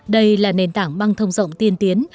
đây là nền tảng băng thông rộng tiên tiến